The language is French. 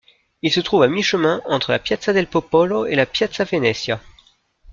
Il se trouve à mi-chemin entre la Piazza del Popolo et la Piazza Venezia.